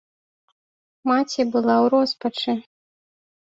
Маці была ў роспачы.